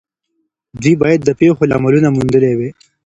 دوی بايد د پېښو لاملونه موندلي وای.